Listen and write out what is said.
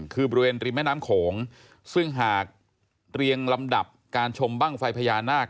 คือบริเวณริมแม่น้ำโขงซึ่งหากเรียงลำดับการชมบ้างไฟพญานาค